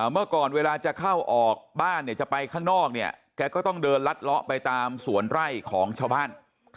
เมื่อก่อนเวลาจะเข้าออกบ้านเนี่ยจะไปข้างนอกเนี่ยแกก็ต้องเดินลัดเลาะไปตามสวนไร่ของชาวบ้าน